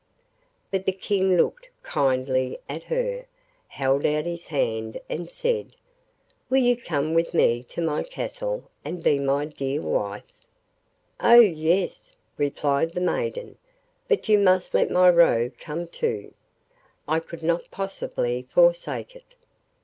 But the King looked kindly at her, held out his hand, and said, 'Will you come with me to my castle and be my dear wife?' 'Oh yes!' replied the maiden, 'but you must let my Roe come too. I could not possibly forsake it.